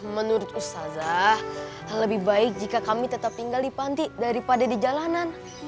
menurut ustazah lebih baik jika kami tetap tinggal di panti daripada di jalanan